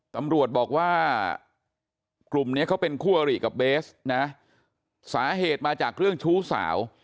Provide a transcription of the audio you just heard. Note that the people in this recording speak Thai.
ตำรวจบอกว่ากลุ่มเนี้ยเขาเป็นคู่อริกับเบสนะสาเหตุมาจากเรื่องชู้สาว